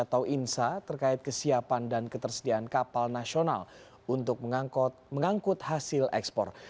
atau insa terkait kesiapan dan ketersediaan kapal nasional untuk mengangkut hasil ekspor